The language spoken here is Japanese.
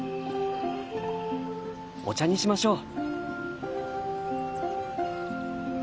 お茶にしましょう。